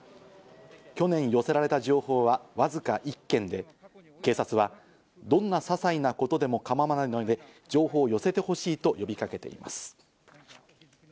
去年寄せられた情報はわずか１件で、警察はどんなささいなことでも構わないので情報を寄せてほしいと呼びかけています。